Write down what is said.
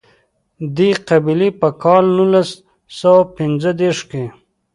دې قبیلې په کال نولس سوه پېنځه دېرش کې.